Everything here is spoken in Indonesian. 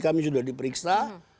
kami sudah diperiksa